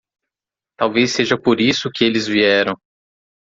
Talvez seja por isso que eles vieram.